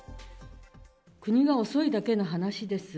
国が遅いだけの話です。